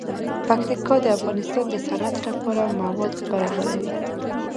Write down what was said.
پکتیکا د افغانستان د صنعت لپاره مواد برابروي.